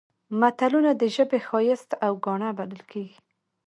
متلونه د ژبې ښایست او ګاڼه بلل کېږي